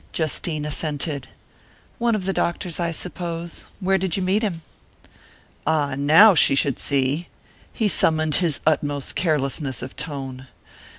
Justine assented. "One of the doctors, I suppose. Where did you meet him?" Ah, now she should see! He summoned his utmost carelessness of tone.